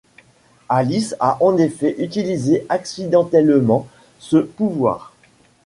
Alice a en effet utilisé accidentellement ce pouvoir.